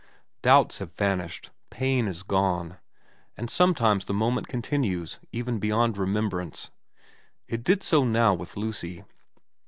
Doubts have vanished. Pain is gone. And sometimes the moment continues even beyond remembrance. It did so now with Lucy.